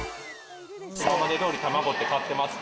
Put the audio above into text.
今までどおり卵って買ってますか？